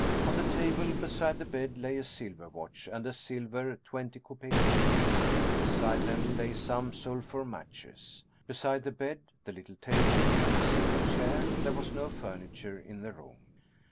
On the table beside the bed lay a silver watch and a silver twenty kopeck piece. Beside them lay some sulphur matches. Beside the bed, the little table, and the single chair, there was no furniture in the room.